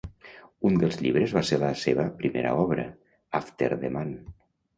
Un dels llibres va ser la seva primera obra: "After the Man".